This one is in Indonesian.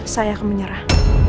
saya akan menyerah